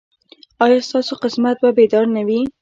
ایا ستاسو قسمت به بیدار نه وي؟